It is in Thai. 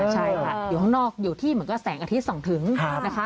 ใช่ค่ะอยู่ข้างนอกอยู่ที่เหมือนกับแสงอาทิตย์ส่องถึงนะคะ